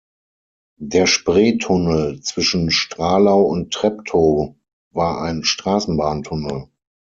Der Spreetunnel zwischen Stralau und Treptow war ein Straßenbahntunnel.